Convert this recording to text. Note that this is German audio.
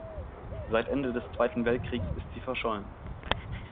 Seit Ende des Zweiten Weltkriegs ist sie verschollen.